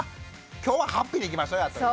今日はハッピーにいきましょうやという。